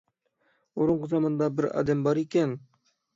بۇرۇنقى زاماندا بىر ئادەم بار ئىكەن.